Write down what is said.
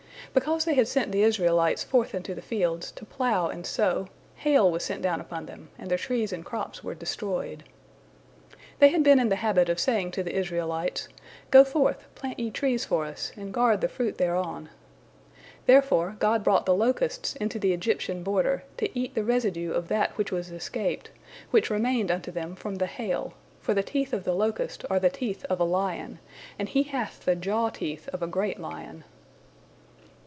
Because they had sent the Israelites forth into the fields, to plough and sow, hail was sent down upon them, and their trees and crops were destroyed. They had been in the habit of saying to the Israelites, "Go forth, plant ye trees for us, and guard the fruit thereon." Therefore God brought the locusts into the Egyptian border, to eat the residue of that which was escaped, which remained unto them from the hail, for the teeth of the locust are the teeth of a lion, and he hath the jaw teeth of a great lion.